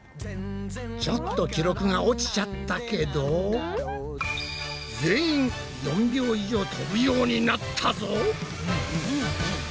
ちょっと記録が落ちちゃったけど全員４秒以上飛ぶようになったぞ！